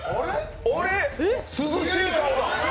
あれ、涼しい顔だ。